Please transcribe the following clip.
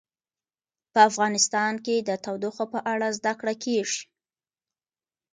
په افغانستان کې د تودوخه په اړه زده کړه کېږي.